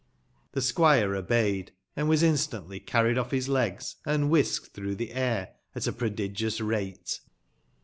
The squire obeyed, and was instantly carried off his legs, and whisked through the air at a prodigious rate.